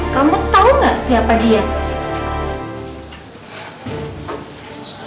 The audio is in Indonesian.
kamu tau gak siapa dia